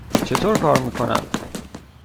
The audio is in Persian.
چطور کار می کند؟